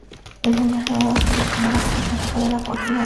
Memorias rodadas por la cámara fotográfica de la página blanca.